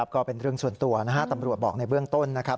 ก็เป็นเรื่องส่วนตัวนะฮะตำรวจบอกในเบื้องต้นนะครับ